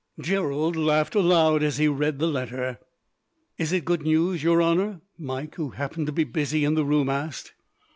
Gerald laughed aloud as he read the letter. "Is it good news, your honour?" Mike, who happened to be busy in the room, asked.